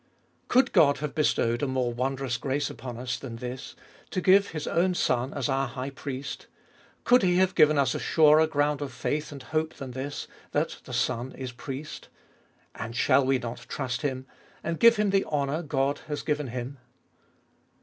7. Could God have bestowed a more wondrous grace upon us than this, to give His own Son as our High Priest ? Could He have given us a surer ground of faith and hope than this, that the Son Is Priest ? And shall we not trust Him ? and glue Him the honour God has given Him